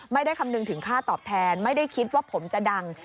คำนึงถึงค่าตอบแทนไม่ได้คิดว่าผมจะดัง